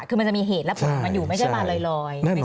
คือมันจะมีเหตุและผลของมันอยู่ไม่ใช่มาลอย